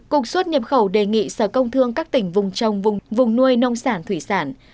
cục xuất nhập khẩu đề nghị sở công thương các tỉnh vùng trồng vùng nuôi nông sản thủy sản